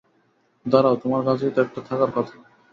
দাঁড়াও, তোমার কাছেই তো একটা থাকার কথা।